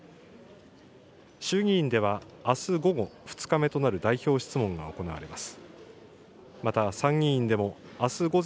衆議院ではあす午後、２日目となる代表質問が行われます。